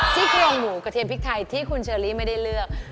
ซี่โครงหมูกระเทียมพริกไทยที่คุณเชอรี่ไม่ได้เลือก